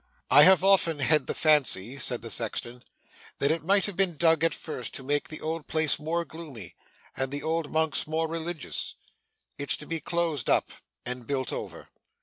'I have often had the fancy,' said the sexton, 'that it might have been dug at first to make the old place more gloomy, and the old monks more religious. It's to be closed up, and built over.